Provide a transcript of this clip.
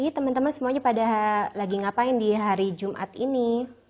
teman teman semuanya pada lagi ngapain di hari jumat ini